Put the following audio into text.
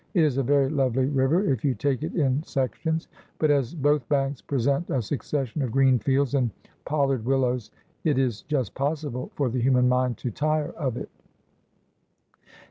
It is a very lovely river if you take it in sec tions, but as both banks present a succession of green fields and pollard willows, it is just possible for the human mind to tire of it.'